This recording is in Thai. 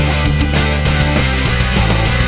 กลับมาที่นี่